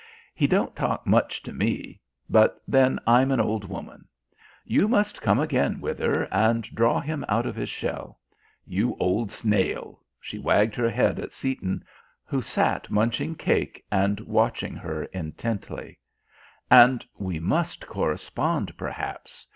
"He don't talk much to me; but then I'm an old woman. You must come again, Wither, and draw him out of his shell. You old snail!" She wagged her head at Seaton, who sat munching cake and watching her intently. "And we must correspond, perhaps."